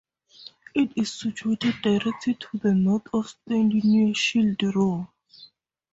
It is situated directly to the north of Stanley, near Shield Row.